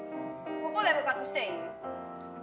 ここで部活していい？